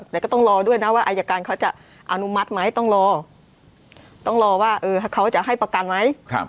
แต่ก็ต้องรอด้วยนะว่าอายการเขาจะอนุมัติไหมต้องรอต้องรอว่าเขาจะให้ประกันไหม